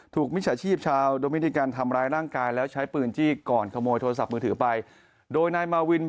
มิจฉาชีพชาวโดมินิกันทำร้ายร่างกายแล้วใช้ปืนจี้ก่อนขโมยโทรศัพท์มือถือไปโดยนายมาวิน